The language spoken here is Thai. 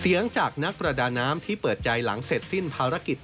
เสียงจากนักประดาน้ำที่เปิดใจหลังเสร็จสิ้นภารกิจ